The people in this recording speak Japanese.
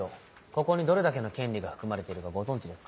ここにどれだけの権利が含まれているかご存じですか？